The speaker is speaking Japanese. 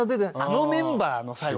あのメンバーの最後。